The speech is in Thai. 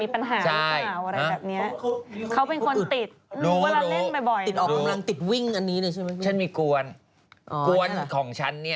เพราะฉะนั้นเขาจะมีปัญหาของเขาอะไรแบบนี้